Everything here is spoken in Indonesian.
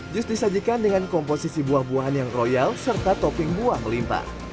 jus disajikan dengan komposisi buah buahan yang royal serta topping buah melimpa